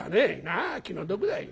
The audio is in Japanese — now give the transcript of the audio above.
「ああ気の毒だい。